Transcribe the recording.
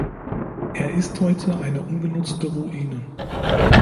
Er ist heute eine ungenutzte Ruine.